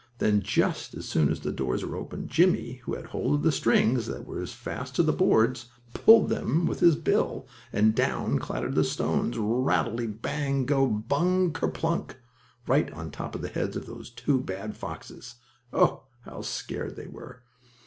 Then just as soon as the doors were opened Jimmie, who had hold of the strings that were fast to the boards, pulled them with his bill, and down clattered the stones, rattlety bang go bung ker plunk, right on top of the heads of those two bad foxes! Oh, how scared they were!